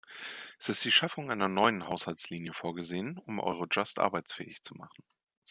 Es ist die Schaffung einer neuen Haushaltslinie vorgesehen, um Eurojust arbeitsfähig zu machen.